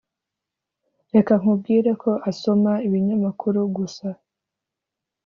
reka nkubwire ko asoma ibinyamakuru gusa